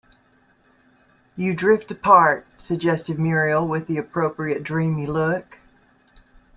"You drift apart," suggested Muriel with the appropriate dreamy look.